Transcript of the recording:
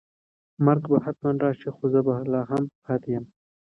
مرګ به حتماً راشي خو زه به لا هم پاتې یم.